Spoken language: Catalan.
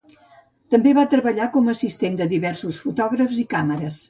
També va treballar com a assistent de diversos fotògrafs i càmeres.